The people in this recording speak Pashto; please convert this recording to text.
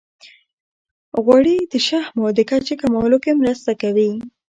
غوړې د شحمو د کچې کمولو کې هم مرسته کوي.